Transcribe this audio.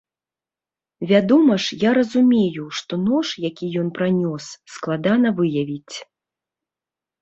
Вядома ж, я разумею, што нож, які ён пранёс, складана выявіць.